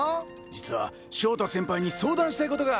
実は翔太先輩に相談したいことが。